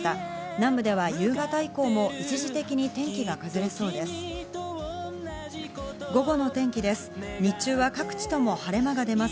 南部では夕方以降も一時的に天気が崩れそうです。